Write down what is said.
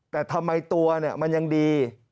แต่ทำไมตัวมันยังดี